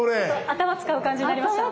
頭使う感じになりました？